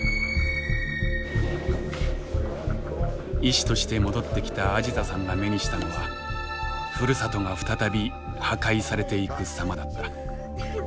医師として戻ってきたアジザさんが目にしたのはふるさとが再び破壊されていく様だった。